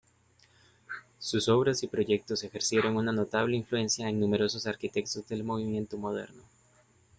Sus obras y proyectos ejercieron una notable influencia en numerosos arquitectos del movimiento moderno.